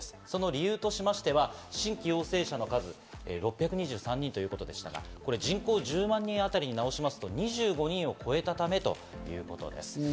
その理由としましては新規陽性者の数６２３人ということでしたが、人口１０万人あたりに直しますと、２５人を超えたためということです。